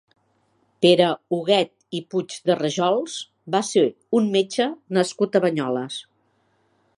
Pere Huguet i Puigderrajols va ser un metge nascut a Banyoles.